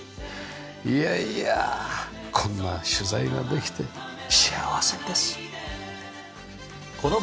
いやいやこんな取材ができて幸せです。